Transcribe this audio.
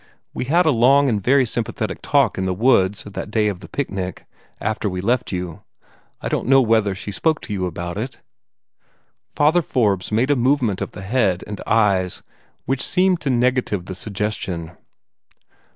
We had a long and very sympathetic talk in the woods, that day of the picnic, after we left you. I don't know whether she spoke to you about it?" Father Forbes made a movement of the head and eyes which seemed to negative the suggestion.